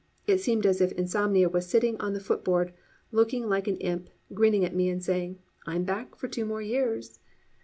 It seemed as if Insomnia was sitting on the footboard looking like an imp, grinning at me and saying "I am back for two more years."